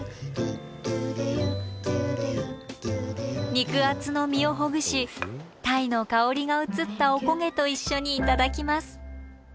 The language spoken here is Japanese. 肉厚の身をほぐし鯛の香りが移ったお焦げと一緒に頂きます。